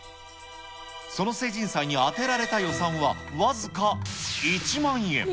その成人祭に充てられた予算は僅か１万円。